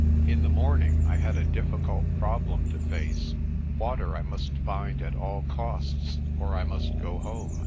In the morning I had a difficult problem to face. Water I must find at all costs, or I must go home.